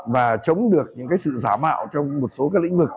và chống được những sự giả mạo trong một số lĩnh vực